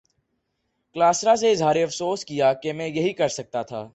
کلاسرا سے اظہار افسوس کیا کہ میں یہی کر سکتا تھا۔